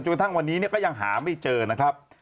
กระทั่งวันนี้ก็ยังหาไม่เจอนะครับ